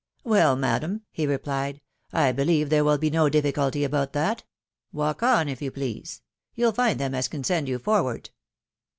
" Well, madam," he replied, " I believe there will be no difficulty about that. Walk on, if you please .... You'll find them as can send you forward."